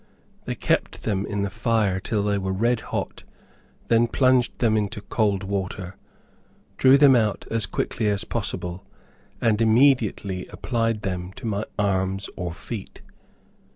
They kept them in the fire till they were red hot, then plunged them into cold water, drew them out as quickly as possible, and immediately applied them to my arms or feet.